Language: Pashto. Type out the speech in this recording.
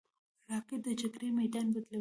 راکټ د جګړې میدان بدلوي